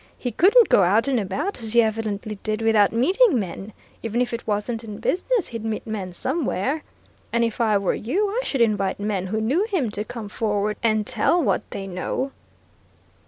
He couldn't go out and about, as he evidently did, without meeting men. Even if it wasn't in business, he'd meet men somewhere. And if I were you, I should invite men who knew him to come forward and tell what they know."